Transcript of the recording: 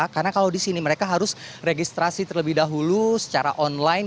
karena kalau di sini mereka harus registrasi terlebih dahulu secara online